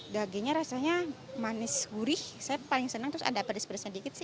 dagingnya rasanya manis gurih saya paling senang terus ada pedas pedasnya dikit sih